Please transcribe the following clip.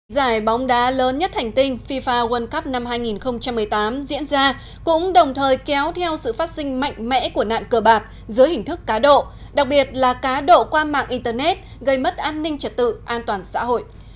giải bóng đá lớn nhất hành tinh fifa world cup năm hai nghìn một mươi tám diễn ra cũng đồng thời kéo theo sự phát sinh mạnh mẽ của nạn cờ bạc dưới hình thức cá độ đặc biệt là cá độ qua mạng internet gây mất an ninh trật tự an toàn xã hội